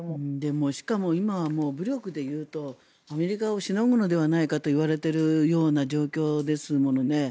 しかも今は武力で言うとアメリカをしのぐのではないかといわれているような状況ですものね。